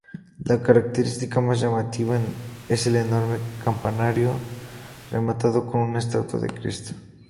La característica más llamativa es el enorme campanario, rematado con una estatua de Cristo.